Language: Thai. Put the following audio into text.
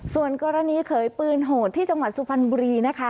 ส่วนกรณีเขยปืนโหดที่จังหวัดสุพรรณบุรีนะคะ